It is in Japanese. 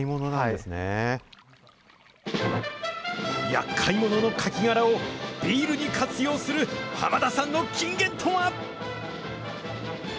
やっかい者のカキ殻をビールに活用する濱田さんの金言とは？